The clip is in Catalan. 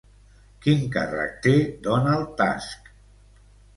Quin càrrec té Donald Tusk?